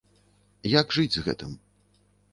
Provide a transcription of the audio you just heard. Як жыць з гэтым?